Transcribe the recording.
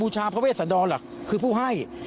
ใช่